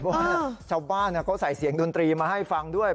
เพราะว่าชาวบ้านเขาใส่เสียงดนตรีมาให้ฟังด้วย